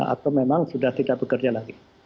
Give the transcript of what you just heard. atau memang sudah tidak bekerja lagi